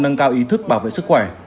nâng cao ý thức bảo vệ sức khỏe